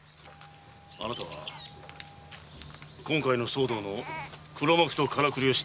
あなたは今回の騒動の黒幕とからくりを知ってるはずだ。